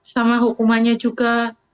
sama hukumannya juga